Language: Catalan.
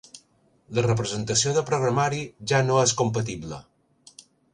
La representació de programari ja no és compatible.